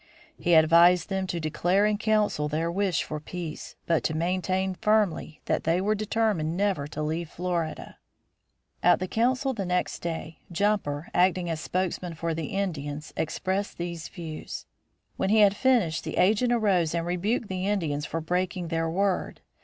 He advised them to declare in council their wish for peace, but to maintain firmly that they were determined never to leave Florida. [Illustration: ARREST OF OSCEOLA] At the council the next day, Jumper acting as spokesman for the Indians expressed these views. When he had finished, the agent arose and rebuked the Indians for breaking their word.